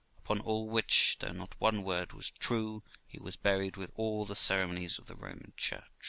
Upon all which, though not one word was true, he was buried with all the ceremonies of the Roman Church.